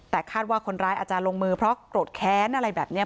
แต่คาดว่าคนร้ายอาจจะลงมือเพราะโกรธแค้นอะไรแบบนี้